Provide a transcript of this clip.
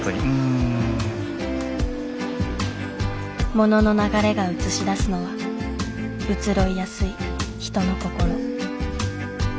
物の流れが映し出すのは移ろいやすい人の心。